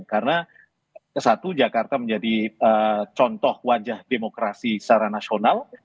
karena satu jakarta menjadi contoh wajah demokrasi secara nasional